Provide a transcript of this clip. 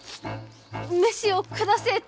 飯を下せえと！